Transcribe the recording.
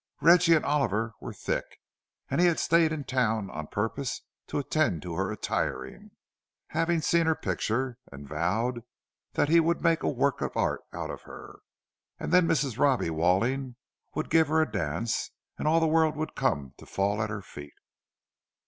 Reggie and Oliver were "thick," and he had stayed in town on purpose to attend to her attiring—having seen her picture, and vowed that he would make a work of art out of her. And then Mrs. Robbie Walling would give her a dance; and all the world would come to fall at her feet.